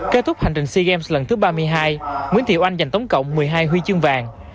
kết thúc hành trình sea games lần thứ ba mươi hai nguyễn thị oanh dành tổng cộng một mươi hai huy chương vàng